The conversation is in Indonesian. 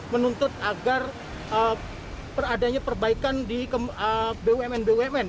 menuntut agar peradanya perbaikan di bumn bumn